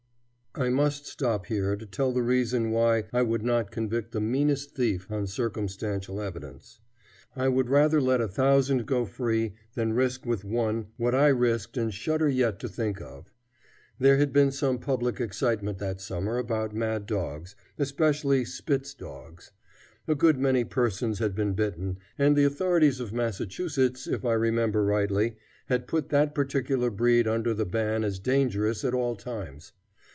I must stop here to tell the reason why I would not convict the meanest thief on circumstantial evidence. I would rather let a thousand go free than risk with one what I risked and shudder yet to think of. There had been some public excitement that summer about mad dogs, especially spitz dogs. A good many persons had been bitten, and the authorities of Massachusetts, if I remember rightly, had put that particular breed under the ban as dangerous at all times.